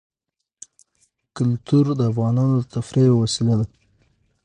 کلتور د افغانانو د تفریح یوه وسیله ده.